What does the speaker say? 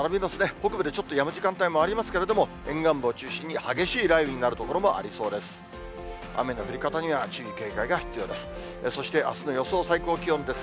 北部でちょっとやむ時間帯もありますけれども、沿岸部を中心に激しい雷雨になる所もありそうです。